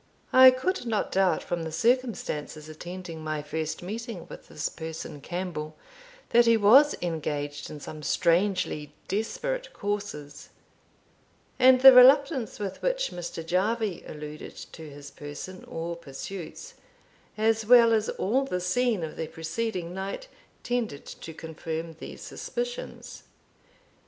I could not doubt, from the circumstances attending my first meeting with this person Campbell, that he was engaged in some strangely desperate courses; and the reluctance with which Mr. Jarvie alluded to his person or pursuits, as well as all the scene of the preceding night, tended to confirm these suspicions.